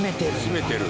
締めてる。